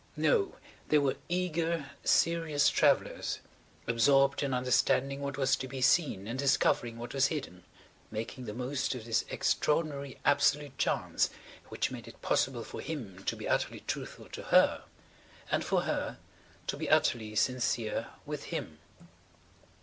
No, they were eager, serious travellers, absorbed in understanding what was to be seen and discovering what was hidden–making the most of this extraordinary absolute chance which made it possible for him to be utterly truthful to her and for her to be utterly sincere with him.